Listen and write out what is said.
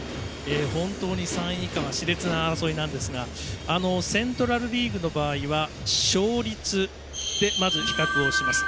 本当に３位以下はしれつな争いなんですがセントラル・リーグの場合は勝率でまず比較をします。